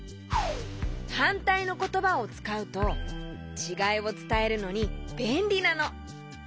はんたいのことばをつかうとちがいをつたえるのにべんりなの！